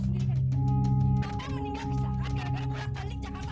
ibu tuh seharusnya pergi sama bapak ke jakarta